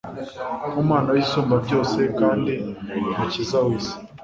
Nk’Umwana w’Isumba Byose, kandi Umukiza w’isi,